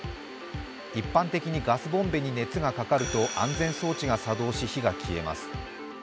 一般的にガスボンベに熱がかかると安全装置が作動し火が消えます。